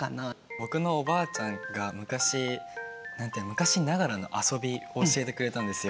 僕のおばあちゃんが昔昔ながらの遊びを教えてくれたんですよ。